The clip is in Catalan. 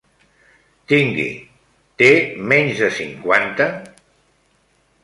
Tingui, té menys de cinquanta?